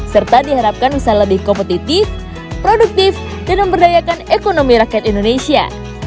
serta diharapkan bisa lebih kompetitif produktif dan memberdayakan ekonomi rakyat indonesia